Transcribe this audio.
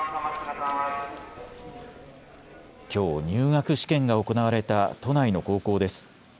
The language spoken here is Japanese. きょう、入学試験が行われた都内の高校です。